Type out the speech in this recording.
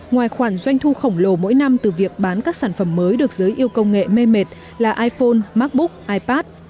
ngoài khoản doanh thu khổng lồ mỗi năm từ việc bán các sản phẩm mới được giới yêu công nghệ mê mệt là iphone macbook ipad